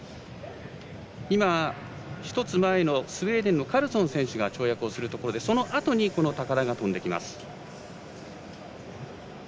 １つ前のスウェーデンのカルソン選手が跳躍するところでそのあとに高田が跳んでいきます。